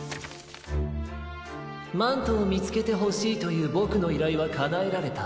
「マントをみつけてほしいというボクのいらいはかなえられた。